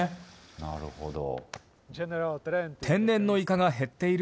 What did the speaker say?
なるほど。